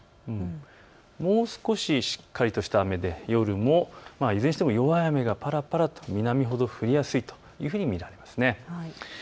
もう少ししっかりとした雨で夜もいずれにしても弱い雨がぱらぱらと南ほど降りやすいというふうに見られます。